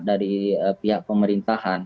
dari pihak pemerintahan